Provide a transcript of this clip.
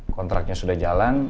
kontraknya sudah jalan